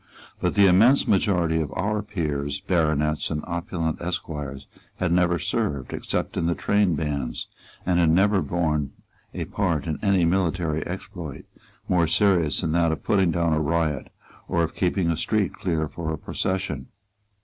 But the immense majority of our peers, baronets and opulent esquires had never served except in the trainbands, and had never borne a part in any military exploit more serious than that of putting down a riot or of keeping a street clear for a procession.